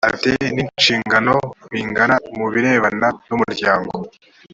afite n inshingano bingana mu birebana n umuryango